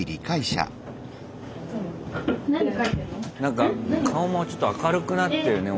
何か顔もちょっと明るくなってるね